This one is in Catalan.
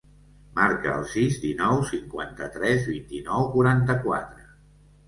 Marca el sis, dinou, cinquanta-tres, vint-i-nou, quaranta-quatre.